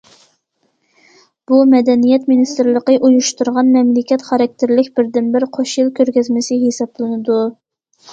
بۇ مەدەنىيەت مىنىستىرلىقى ئۇيۇشتۇرغان مەملىكەت خاراكتېرلىك بىردىنبىر قوش يىل كۆرگەزمىسى ھېسابلىنىدۇ.